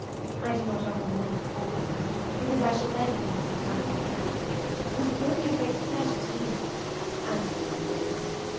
I do not offer more than a fortnight, because I shall then have been some time from home; but it will be a great pleasure to be with him, as it always is.